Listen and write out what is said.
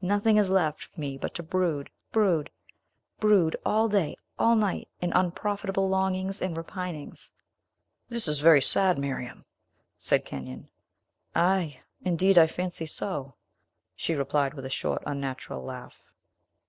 Nothing is left for me but to brood, brood, brood, all day, all night, in unprofitable longings and repinings." "This is very sad, Miriam," said Kenyon. "Ay, indeed; I fancy so," she replied, with a short, unnatural laugh.